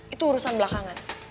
itu urusan belakangan